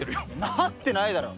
なってないだろ！